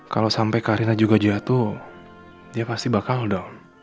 kalau sampai karina juga jatuh dia pasti bakal down